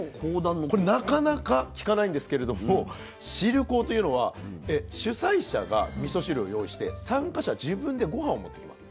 これなかなか聞かないんですけれども「汁講」というのは主催者がみそ汁を用意して参加者自分で御飯を持ってきます。